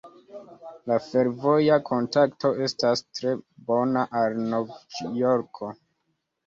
La fervoja kontakto estas tre bona al Nov-Jorko.